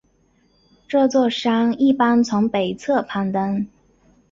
这座山一般从北侧攀登。